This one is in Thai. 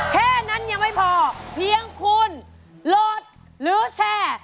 แค่นั้นยังไม่พอเพียงคุณโหลดหรือแชร์